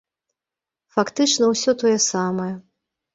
Фактычна ўсё тое самае.